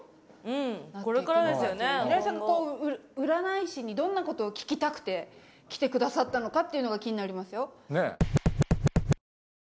平井さんが占い師にどんなことを聞きたくて来てくださったのかっていうのが気になりますよ。